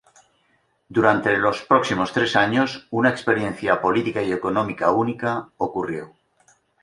Durante los próximos tres años, una experiencia política y económica única ocurrió.